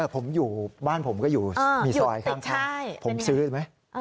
ผมอยู่บ้านผมก็อยู่มีซอยข้างผมซื้อไหม